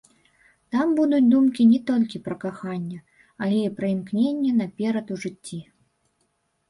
Там будуць думкі не толькі пра каханне, але і пра імкненне наперад у жыцці.